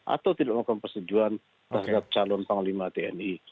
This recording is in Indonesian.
atau tidak melakukan persetujuan terhadap calon panglima tni